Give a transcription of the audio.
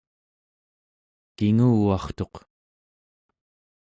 kinguvartuq